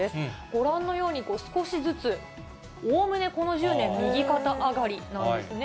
ご覧のように、少しずつ、おおむね、この１０年、右肩上がりなんですね。